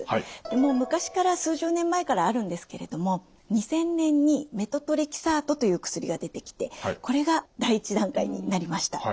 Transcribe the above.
でもう昔から数十年前からあるんですけれども２０００年にメトトレキサートという薬が出てきてこれが第一段階になりました。